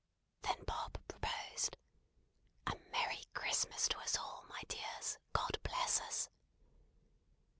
Then Bob proposed: "A Merry Christmas to us all, my dears. God bless us!"